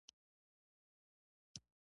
خو سړی نشي ویلی چې ټول ذهنیتونه اوښتي دي.